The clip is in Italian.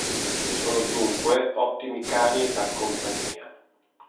Sono dunque ottimi cani da compagnia.